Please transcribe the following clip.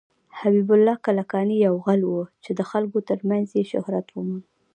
حبيب الله کلکاني يو غل وه ،چې د خلکو تر منځ يې شهرت وموند.